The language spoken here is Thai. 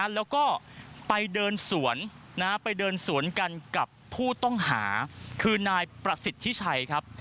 แล้วก็ไปเดินสวนกันกับผู้ต้องหาคือนายประสิทธิ์ทิชัยครับ